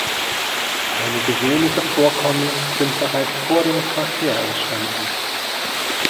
Einige wenige Vorkommen sind bereits vor dem Quartär entstanden.